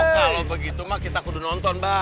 kalau begitu mba kita kudu nonton mba